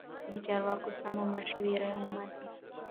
د چارواکو سمې مشورې ومنئ.